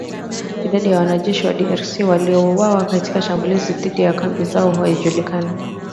Idadi ya wanajeshi wa DRC waliouawa katika shambulizi dhidi ya kambi zao haijajulikana